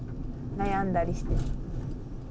悩んだりして。